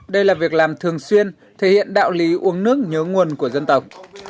đây là việc làm thường xuyên thể hiện đạo lý uống nước nhớ nguồn của dân tộc